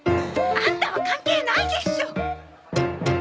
アンタは関係ないでしょ！